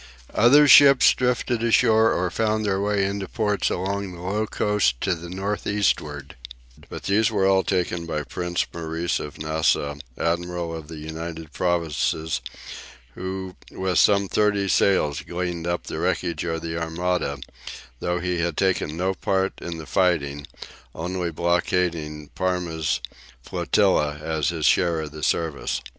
Other ships drifted ashore or found their way into ports along the low coast to the north eastward, but all these were taken by Prince Maurice of Nassau, admiral of the United Provinces, who with some thirty sail gleaned up the wreckage of the Armada, though he had taken no part in the fighting, only blockading Parma's flotillas as his share of the service.